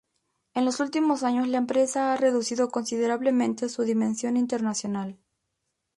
En los últimos años la empresa ha reducido considerablemente su dimensión internacional.